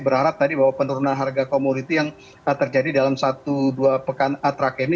berharap tadi bahwa penurunan harga komoditi yang terjadi dalam satu dua pekan atrak ini